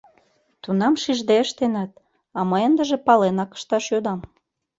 Тунам шижде ыштенат, а мый ындыже паленак ышташ йодам.